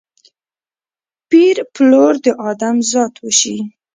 پېر پلور د ادم ذات وشي